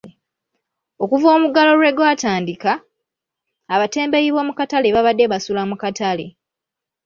Okuva omuggalo lwe gwatandika, abatembeeyi b'omu katale babadde basula mu katale.